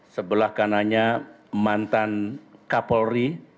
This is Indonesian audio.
sebelah kanannya mantan kapolri